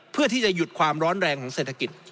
เพื่อที่จะหยุดความร้อนแรงของเศรษฐกิจ